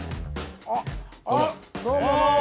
あっあっどうもどうも。